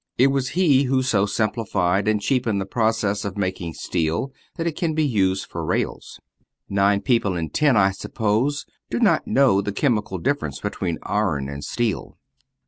It was he who so simplified and cheapened the process of making steel that it can be used for rails. Nine people in ten, I suppose, do not know the chemical difference between iron and steel.